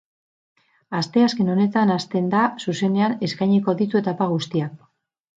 Asteazken honetan hasten da zuzenean eskainiko ditu etapa guztiak.